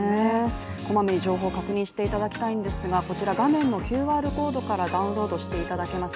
こまめに情報を確認していただきたいんですがこちら画面のＱＲコードからダウンロードしていただけます